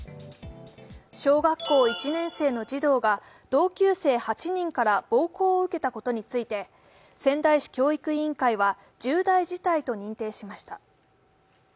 小学校一年生の児童が同級生８人から暴行を受けたことについて、仙台市教育委員会は重大事態と認定しました。